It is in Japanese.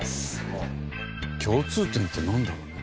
共通点ってなんだろうね？